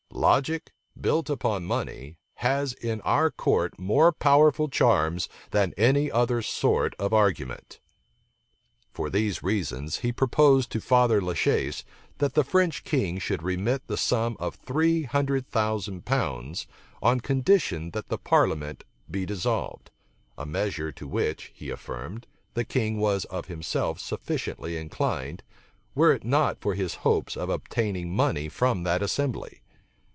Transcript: Logic, built upon money, has in our court more powerful charms than any other sort of argument." For these reasons, he proposed to Father La Chaise, that the French king should remit the sum of three hundred thousand pounds, on condition that the parliament be dissolved; a measure to which, he affirmed, the king was of himself sufficiently inclined, were it not for his hopes of obtaining money from that assembly.